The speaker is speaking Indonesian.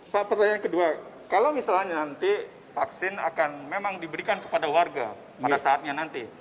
pak pertanyaan kedua kalau misalnya nanti vaksin akan memang diberikan kepada warga pada saatnya nanti